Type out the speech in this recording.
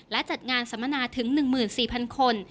และจัดงานสัมมนาถึง๑๔๐๐คน